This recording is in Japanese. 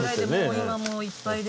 今もういっぱいで。